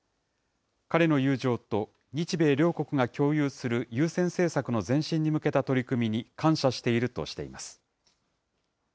彼の友情と日米両国が共有する優先政策の前進に向けた取り組みに感謝しているとしています。